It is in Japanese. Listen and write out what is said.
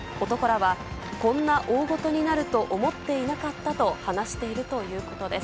こんな大ごとになると思っていなかったと話しているということです。